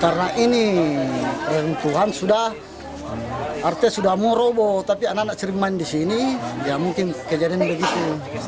renung tuhan sudah artinya sudah mau robo tapi anak anak cerimain di sini ya mungkin kejadian begitu